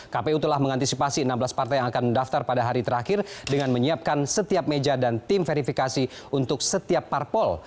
kpu telah mengantisipasi enam belas partai yang akan mendaftar pada hari terakhir dengan menyiapkan setiap meja dan tim verifikasi untuk setiap parpol